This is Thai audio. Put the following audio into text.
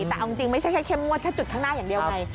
แต่เอาจริงไม่ใช่แค่เข้มงวดแค่จุดข้างหน้าอย่างเดียวไง